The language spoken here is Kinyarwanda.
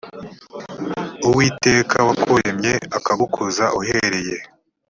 uwiteka wakuremye akagukuza uhereye